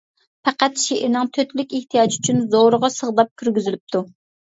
پەقەت شېئىرنىڭ تۆتلۈك ئېھتىياجى ئۈچۈن زورىغا سىغداپ كىرگۈزۈلۈپتۇ.